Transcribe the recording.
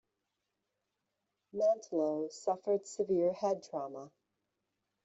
Mantlo suffered severe head trauma.